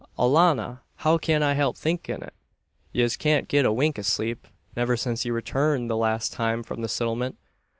"Alannah! How kyan I help thinkin' it! Yez kyant get a wink av sleep; niver since ye returned the last time from the Sittlement.